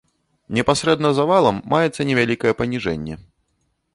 Непасрэдна за валам маецца невялікае паніжэнне.